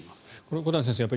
小谷先生